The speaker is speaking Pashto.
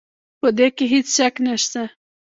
په دې کې هېڅ شک نه شته.